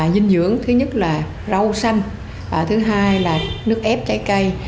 dinh dưỡng thứ nhất là rau xanh thứ hai là nước ép trái cây